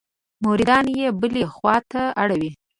مریدان یې بلې خوا ته اړوي.